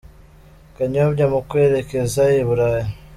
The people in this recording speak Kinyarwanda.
Kanyombya mu kwerekeza i Burayi